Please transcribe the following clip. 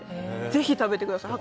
ぜひ食べてください。